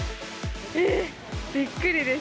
えー、びっくりです。